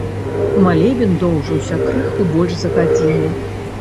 Малебен доўжыўся крыху больш за гадзіну.